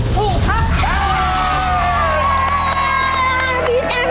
ถูกครับ